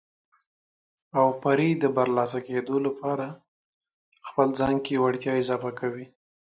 او پرې د برلاسه کېدو لپاره خپل ځان کې وړتیاوې اضافه کوي.